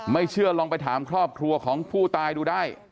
ไม่เชื่อลองไปถามครอบครัวของผู้ตายดูได้